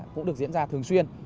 cũng được diễn ra thường xuyên